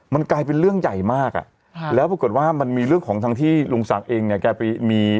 มันกลายเป็นเรื่องใหญ่มากอ่ะค่ะแล้วปรากฏว่ามันมีเรื่องของทางที่ลุงศักดิ์เองเนี่ยแกไปมี